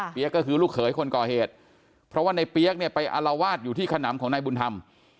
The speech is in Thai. ก็คือลูกเขยคนก่อเหตุเพราะว่าในเปี๊ยกเนี่ยไปอารวาสอยู่ที่ขนำของนายบุญธรรม